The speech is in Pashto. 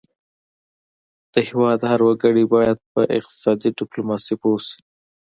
د هیواد هر وګړی باید په اقتصادي ډیپلوماسي پوه شي